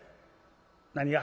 「何が？」。